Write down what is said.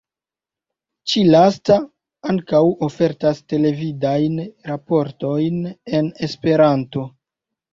Ĉi-lasta ankaŭ ofertas televidajn raportojn en Esperanto.